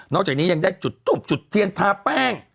จากนี้ยังได้จุดทูบจุดเทียนทาแป้ง